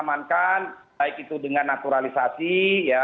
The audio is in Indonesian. kita mencoba mengamankan baik itu dengan naturalisasi ya